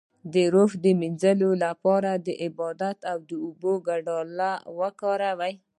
د روح د مینځلو لپاره د عبادت او اوبو ګډول وکاروئ